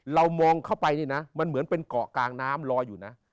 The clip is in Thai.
เรามองเข้าไปนี่นะมันเหมือนเป็นเกาะกลางน้ำลอยอยู่นะ